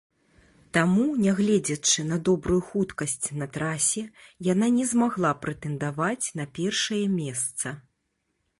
Таму, нягледзячы на добрую хуткасць на трасе, яна не змагла прэтэндаваць на першае месца.